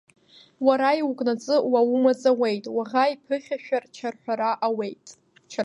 Уара иукнаҵы, уа умаҵ ауеит, Уаӷа иԥыхьашәар чарҳәара ауеит.